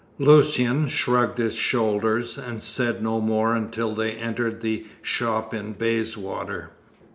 Lucian shrugged his shoulders, and said no more until they entered the shop in Bayswater.